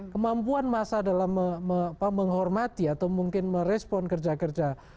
kemampuan masa dalam menghormati atau mungkin merespon kerja kita